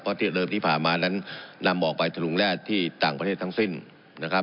เพราะที่เริ่มที่ผ่านมานั้นนำออกไปทะลุงแร่ที่ต่างประเทศทั้งสิ้นนะครับ